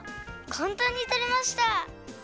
かんたんにとれました。